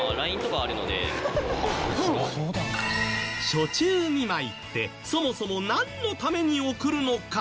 暑中見舞いってそもそもなんのために送るのか？